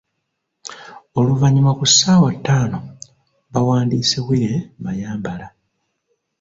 Oluvanyuma ku ssaawa ttaano bawandiise Willy Mayambala.